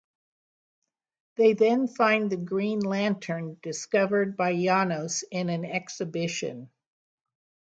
They then find the green lantern discovered by Janos in an exhibition.